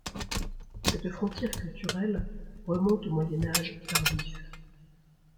Cette frontière culturelle remonte au Moyen Âge tardif.